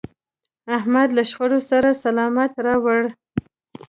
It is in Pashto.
احمد له شخړې سر سلامت راوړ.